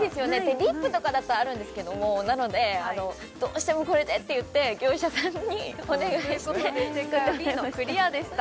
リップとかだとあるんですけどもなのでどうしてもこれでって言って業者さんにお願いして作ってもらいました正解はＢのクリアでした